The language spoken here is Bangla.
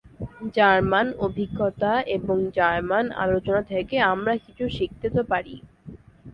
জার্মান অভিজ্ঞতা এবং জার্মান আলোচনা থেকে আমরা কিছু শিখতে তো পারি।